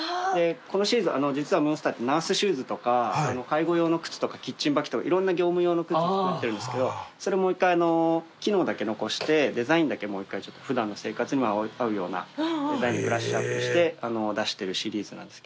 このシリーズ実はムーンスターってナースシューズとか介護用の靴とかキッチン履きとかいろんな業務用の靴を作ってるんですけどそれ一回機能だけ残してデザインだけもう一回普段の生活にも合うようなデザインにブラッシュアップして出してるシリーズなんですけど。